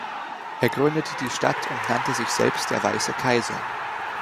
Er gründete die Stadt und nannte sich selbst der Weiße Kaiser.